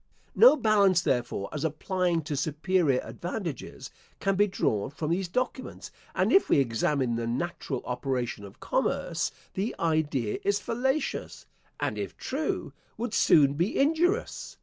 No balance, therefore, as applying to superior advantages, can be drawn from these documents; and if we examine the natural operation of commerce, the idea is fallacious; and if true, would soon be injurious.